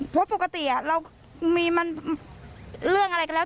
เพราะปกติเรามีมันเรื่องอะไรก็แล้ว